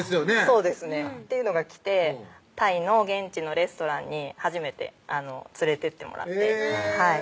そうですねっていうのが来てタイの現地のレストランに初めて連れてってもらってへぇ！